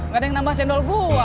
gak ada yang nambah cendol gue